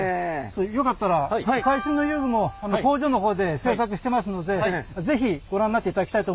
よかったら最新の遊具も工場の方で製作してますので是非ご覧になっていただきたいと思います。